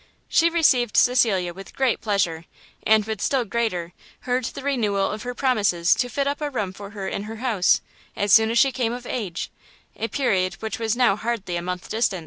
She received Cecilia with great pleasure; and with still greater, heard the renewal of her promises to fit up a room for her in her house, as soon as she came of age; a period which now was hardly a month distant.